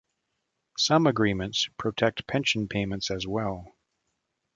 Some agreements protect pension payments as well.